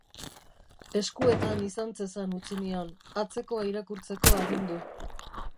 Eskuetan izan zezan utzi nion, atzekoa irakurtzeko agindu.